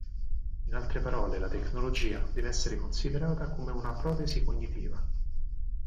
In altre parole, la tecnologia deve essere considerata come una protesi cognitiva.